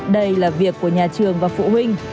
đây là việc của nhà trường và phụ huynh